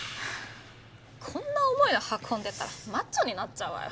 こんな重いの運んでたらマッチョになっちゃうわよ。